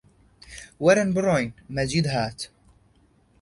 وەرن بڕۆین! مەجید هات